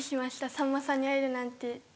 さんまさんに会えるなんてって。